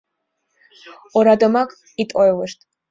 — Орадымак ит ойлышт...